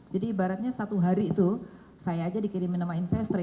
jadi ibaratnya satu hari itu saya aja dikirimin nama investor